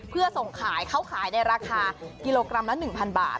เพื่อส่งขายเขาขายในราคากิโลกรัมละ๑๐๐บาท